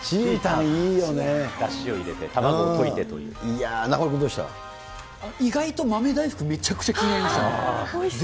だしを入れて、卵を溶いてといやー、意外と豆大福、めちゃくちゃ気になりました。